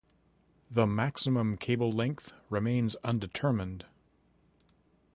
The maximum cable length remains undetermined.